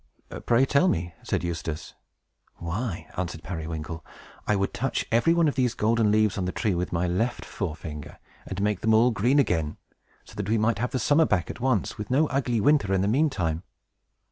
"Pray tell me," said Eustace. "Why," answered Periwinkle, "I would touch every one of these golden leaves on the trees with my left forefinger, and make them all green again; so that we might have the summer back at once, with no ugly winter in the mean time."